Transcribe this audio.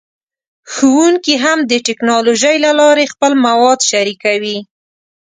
ښوونکي هم د ټیکنالوژۍ له لارې خپل مواد شریکوي.